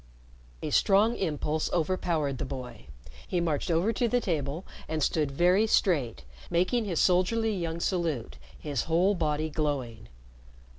A strong impulse overpowered the boy. He marched over to the table and stood very straight, making his soldierly young salute, his whole body glowing.